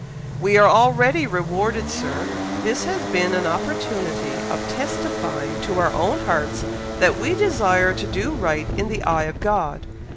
"We are already rewarded, Sir! This has been an opportunity of testifying to our own hearts that we desire to do right in the eye of God.